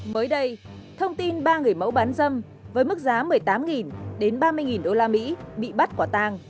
mới đây thông tin ba người mẫu bán dâm với mức giá một mươi tám đến ba mươi đô la mỹ bị bắt quả tăng